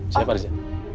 siap pak riza